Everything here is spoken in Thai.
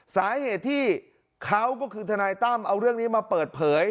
สาเหตุที่เขาก็คือทนายตั้มเอาเรื่องนี้มาเปิดเผย